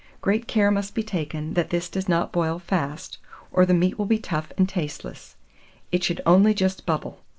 Great care must be taken that this does not boil fast, or the meat will be tough and tasteless; it should only just bubble.